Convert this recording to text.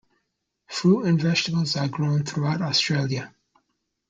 Fruit and vegetables are grown throughout Australia.